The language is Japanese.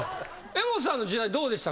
江本さんの時代どうでしたか？